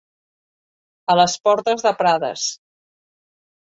A les portes de Prades.